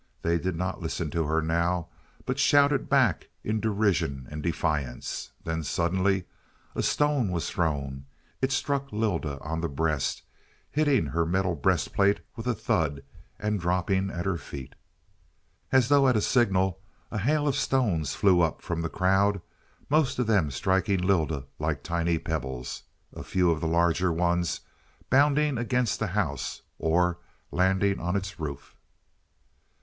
They did not listen to her now but shouted back, in derision and defiance. Then suddenly a stone was thrown; it struck Lylda on the breast, hitting her metal breastplate with a thud and dropping at her feet. As though at a signal a hail of stones flew up from the crowd, most of them striking Lylda like tiny pebbles, a few of the larger ones bounding against the house, or landing on its roof.